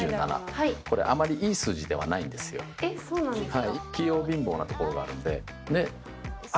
えっそうなんですか？